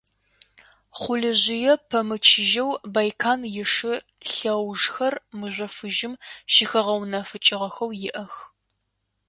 Хъулыжъые пэмычыжьэу Байкан ишы лъэужхэр мыжъо фыжьым щыхэгъэунэфыкӏыгъэхэу иӏэх.